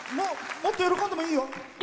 もっと喜んでもいいよ！